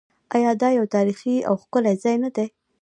آیا دا یو تاریخي او ښکلی ځای نه دی؟